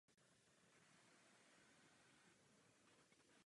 Dovolte mi, prosím, dodat ještě jednu větu.